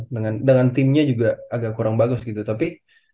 dan dengan timnya juga agak kurang bagus gitu tapi